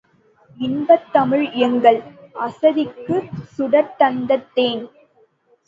இன்பத்தமிழ் எங்கள் அசதிக்குச் சுடர்தந்த தேன்